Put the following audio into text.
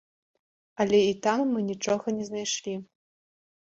Але і там мы нічога не знайшлі.